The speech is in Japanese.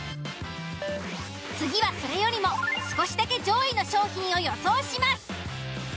次はそれよりも少しだけ上位の商品を予想します。